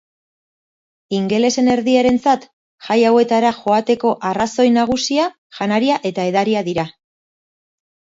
Ingelesen erdiarentzat jai hauetara joateko arrazoi nagusia janaria eta edaria dira.